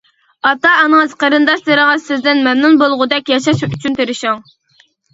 ئاتا-ئانىڭىز قېرىنداشلىرىڭىز سىزدىن مەمنۇن بولغۇدەك ياشاش ئۈچۈن تىرىشىڭ.